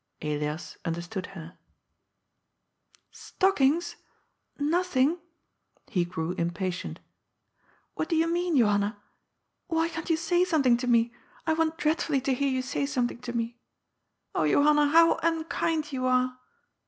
Elias understood her. 72 GOD'S POOL. " Stockings ? nothing ?" He grew impatient. " What do you mean, Johanna? Why can't you say something to me? I want dreadfully to hear you say something to me. Oh, Johanna, how unkind you are